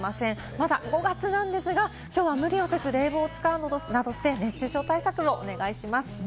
まだ５月なんですが、きょうは無理をせず冷房を使うなどして、熱中症対策もお願いします。